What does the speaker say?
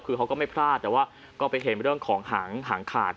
คือเขาก็ไม่พลาดแต่ว่าก็ไปเห็นเรื่องของหางขาด